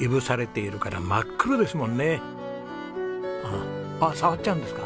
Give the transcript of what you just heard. あっ触っちゃうんですか？